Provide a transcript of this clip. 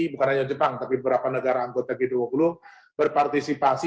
bukan hanya jepang tapi beberapa negara anggota g dua puluh berpartisipasi